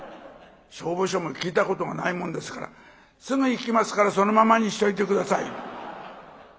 消防署も聞いたことがないもんですから「すぐ行きますからそのままにしといて下さい」。